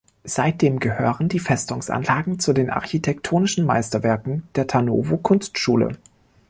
Seitdem gehören die Festungsanlagen zu den architektonischen Meisterwerken der Tarnowo Kunstschule.